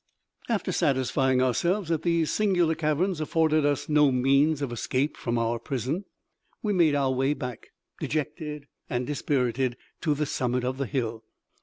After satisfying ourselves that these singular caverns afforded us no means of escape from our prison, we made our way back, dejected and dispirited, to the summit of the hill.